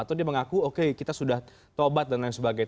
atau dia mengaku oke kita sudah tobat dan lain sebagainya